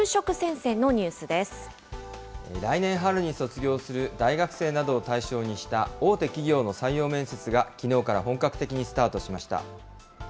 来年春に卒業する大学生などを対象にした、大手企業の採用面接が、きのうから本格的にスタートしました。